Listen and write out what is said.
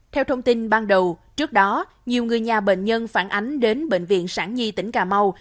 theo thông tin ban đầu trước đó nhiều người nhà bệnh nhân phản ánh đến bệnh viện sản di tỉnh cà mau